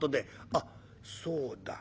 「あっそうだ。